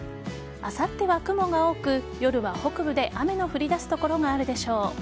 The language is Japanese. あさっては雲が多く夜は北部で雨の降り出す所があるでしょう。